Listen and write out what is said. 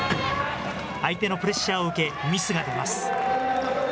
相手のプレッシャーを受け、ミスが出ます。